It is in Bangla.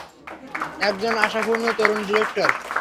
একজন আশাপুর্ণ তরুণ ডিরেক্টর।